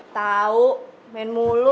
tau main mulu